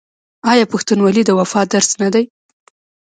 آیا پښتونولي د وفا درس نه دی؟